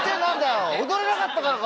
踊れなかったからか？